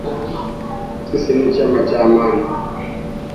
Sisi ni chama cha Amani